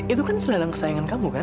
itu kan selelang kesayangan kamu kan